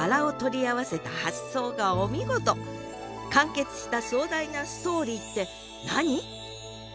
完結した壮大なストーリーって何？